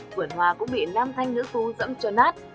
vườn hoa cũng bị nam thanh nữ tú dẫm cho nát